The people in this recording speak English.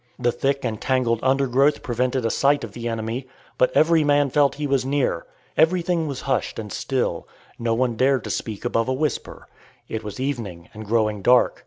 The thick and tangled undergrowth prevented a sight of the enemy, but every man felt he was near. Everything was hushed and still. No one dared to speak above a whisper. It was evening, and growing dark.